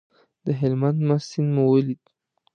د هلمند مست سیند مو ولید.